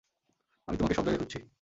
আমি তোমাকে সব জায়গায় খুঁজছি।